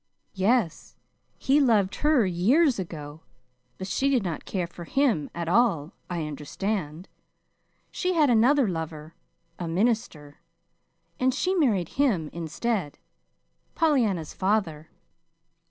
"Yes. He loved her years ago, but she did not care for him at all, I understand. She had another lover a minister, and she married him instead Pollyanna's father."